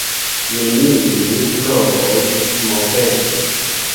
Neniuj brovoj ekmovetis.